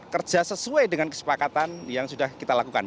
kerja sesuai dengan kesepakatan yang sudah kita lakukan